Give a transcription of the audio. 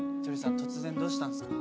突然どうしたんすか？